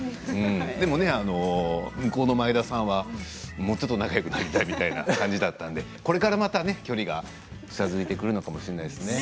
でもね、向こうの前田さんはもうちょっと仲よくなりたいみたいな感じだったのでこれから距離が近づいてくるのかもしれないですね。